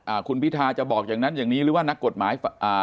คุณพิทาจะบอกอย่างนั้นอย่างนี้หรือว่านักกฎหมายอ่า